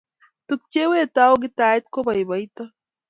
tukchewetutai kitait kopoipoito